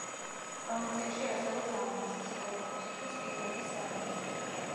პროვინციაში არსებობს ალმასის, ოქროს და სპილენძის საბადოები.